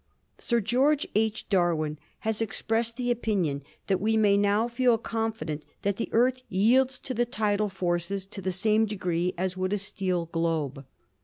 Sir George H. Darwin has expressed the opinion that we may now feel confident that the Earth yields to the tidal forces to the same degree as would a steel globe.